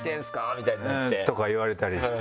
みたいになって。とか言われたりして。